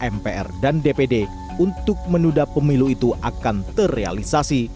mpr dan dpd untuk menunda pemilu itu akan terrealisasi